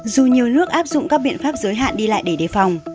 dù nhiều nước áp dụng các biện pháp giới hạn đi lại để đề phòng